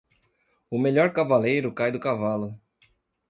O melhor cavaleiro cai do cavalo.